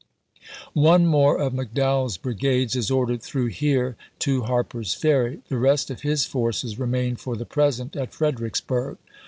One more of McDowell's brigades is ordered through here to Harper's Ferry ; the rest of his forces remain for the present at Fredericksburg.